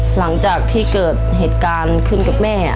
หลังจากที่เกิดเหตุการณ์ขึ้นกับแม่